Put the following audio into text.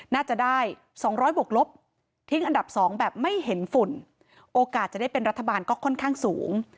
น่าจะได้สองร้อยบวกลบทิ้งอันดับสองแบบไม่เห็นฝุ่นโอกาสจะได้เป็นรัฐบาลก็ค่อนข้างสูง